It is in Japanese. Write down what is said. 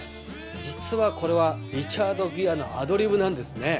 実はこれはリチャード・ギアのアドリブなんですね。